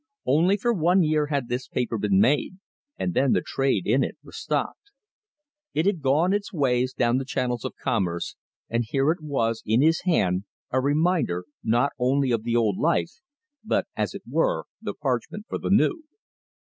Only for one year had this paper been made, and then the trade in it was stopped. It had gone its ways down the channels of commerce, and here it was in his hand, a reminder, not only of the old life, but, as it were, the parchment for the new.